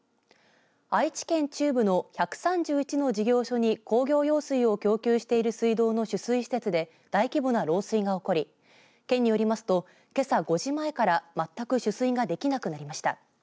愛知県中部の１３１の事業所に工業用水を供給している水道の取水施設で大規模な漏水が起こり県によりますとけさ５時前から全く取水ができなくなりました。